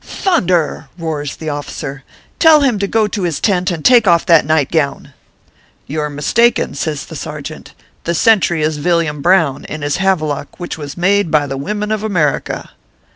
" Thunder !" roars the officer, " tell him to go to his tent, and take off that night gown !"" You re mistaken," says the sergeant. " The sentry is Villiam Brown, in his Havelock, which was made by the wimmen of America."